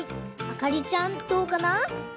あかりちゃんどうかな？